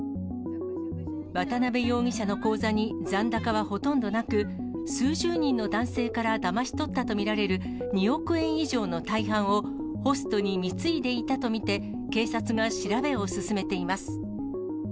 渡辺容疑者の口座に残高はほとんどなく、数十人の男性からだまし取ったと見られる２億円以上の大半を、ホストに貢いでいたと見て、警察が調べを進めています。